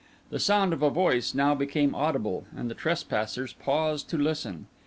The sound of a voice now became audible; and the trespassers paused to listen.